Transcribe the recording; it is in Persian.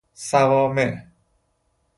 صوامع